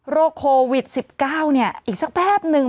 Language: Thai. โรคโควิด๑๙เนี่ยอีกสักแพบนึง